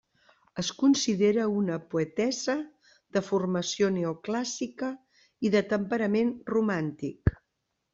Es considera una poetessa de formació neoclàssica i de temperament romàntic.